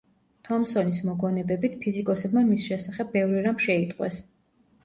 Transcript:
თომსონის მოგონებებით ფიზიკოსებმა მის შესახებ ბევრი რამ შეიტყვეს.